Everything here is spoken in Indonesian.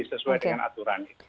sesuai dengan aturan ini